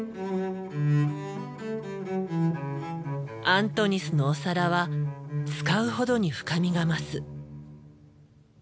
アントニスのお皿は使うほどに深みが増す。